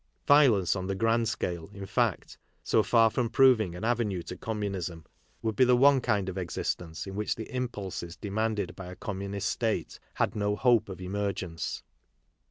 Violence, on the grand scale, in fact, so far from 42 KARL MARX proving an avenue to communism, would be the one kind of existence in which the impulses demanded by a communist state had no hope of emergence.